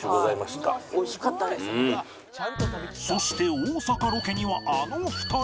そして大阪ロケにはあの２人が